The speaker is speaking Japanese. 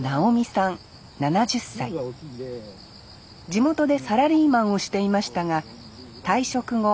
地元でサラリーマンをしていましたが退職後